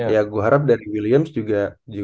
ya gue harap dari williams juga